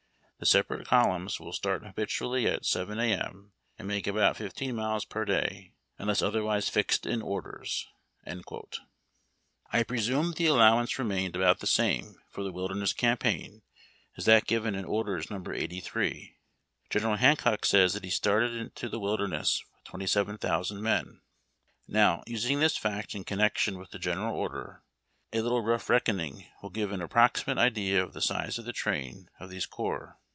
The separate columns will start habitually at 7 A. M., and make about fifteen miles per day, unless otherwise fixed in orders." I presume the allowance remained about the same for the Wilderness Campaign as that given in Orders No. 83. General Hancock says that he started into the Wilderness with 27,000 men. Now, using this fact in connection with the general order, a little rough reckoning will give an approximate idea of the size of the train of this corps.